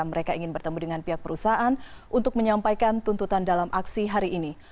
mereka ingin bertemu dengan pihak perusahaan untuk menyampaikan tuntutan dalam aksi hari ini